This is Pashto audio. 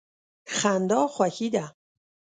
خندا خوښي ده.